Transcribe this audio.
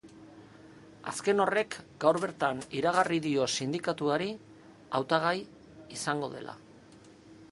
Azken horrek gaur bertan iragarri dio sindikatuari hautagai izango dela.